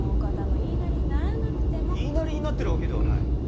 言いなりになってるわけではない。